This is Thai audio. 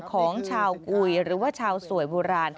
ของชาวกุยหรือว่าชาวสวยโบราณ